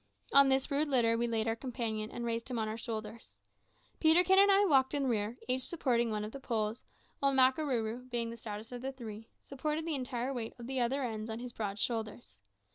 On this rude litter we laid our companion, and raised him on our shoulders. Peterkin and I walked in rear, each supporting one of the poles; while Makarooroo, being the stoutest of the three, supported the entire weight of the other ends on his broad shoulders.